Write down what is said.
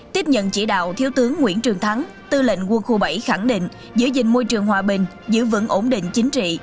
tiếp nhận chỉ đạo thiếu tướng nguyễn trường thắng tư lệnh quân khu bảy khẳng định giữ gìn môi trường hòa bình giữ vững ổn định chính trị